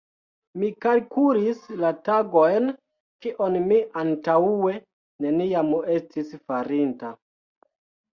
Mi kalkulis la tagojn, kion mi antaŭe neniam estis farinta.